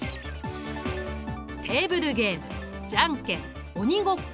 テーブルゲームじゃんけん鬼ごっこ